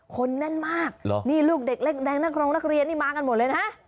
คนแน่นมากนี่ลูกเด็กเล็กแดงนักร้องนักเรียนนี่มากันหมดเลยนะ